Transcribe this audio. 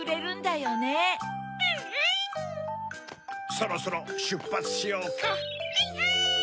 そろそろしゅっぱつしようか。アンアン！